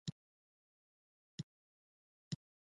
دې سیستم تر اوسه ښه کار کړی.